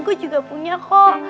gue juga punya kok